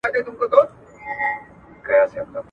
سپین ويښتان د ډېر فکر کولو له امله هم پيدا کېږي.